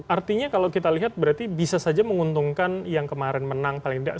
artinya kalau kita lihat berarti bisa saja menguntungkan yang kemarin menang paling tidak